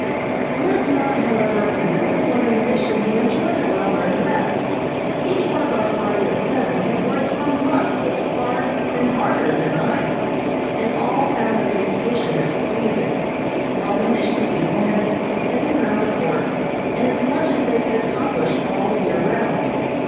I was not, however, the only one in the Mission who enjoyed a well earned rest. Each one of our party of seven had worked for months as hard and harder than I, and all found a vacation as pleasing, while the Mission people had the same round of work and as much as they could accomplish all the year round.